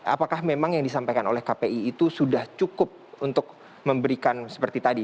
apakah memang yang disampaikan oleh kpi itu sudah cukup untuk memberikan seperti tadi